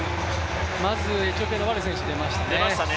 まず、エチオピアのワレ選手が出ましたね。